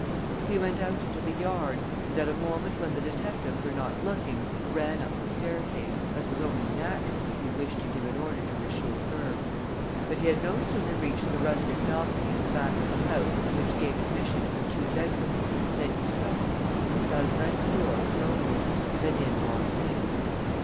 He went out into the yard and, at a moment when the detectives were not looking, ran up the staircase, as was only natural if he wished to give an order to his chauffeur. But he had no sooner reached the rustic balcony at the back of the house, which gave admission to the two bedrooms than he stopped. Dalbrèque's door was open. Rénine walked in.